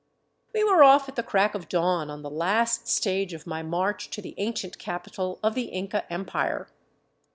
We were off at the crack of dawn on the last stage of my march to the ancient capital of the Inca Empire.